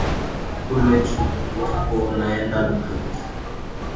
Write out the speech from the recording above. Kule tuko naenda ni kweusi